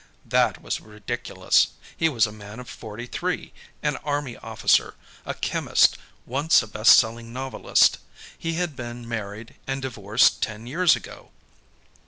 That was ridiculous. He was a man of forty three; an army officer, a chemist, once a best selling novelist. He had been married, and divorced ten years ago.